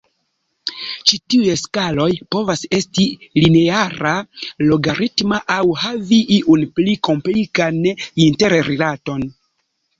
Ĉi tiuj skaloj povas esti lineara, logaritma aŭ havi iun pli komplikan interrilaton.